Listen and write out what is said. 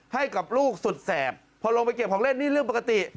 ให้กับลูกสุดแสบพอลงไปเก็บของเล่นนี่เรื่องปกติ